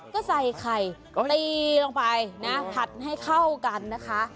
ก็ใส่ไข่ตีลงไปนะผัดให้เข้ากันนะคะ